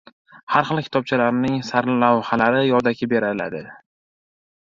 har xil kitobchalarning sarlavhalari yodaki beriladi.